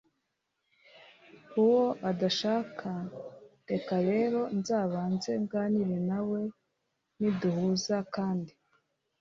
uwo adashaka. Reka rero nzabanze nganire na we, niduhuza kandi